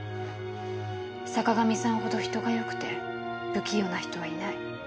坂上さんほど人がよくて不器用な人はいない。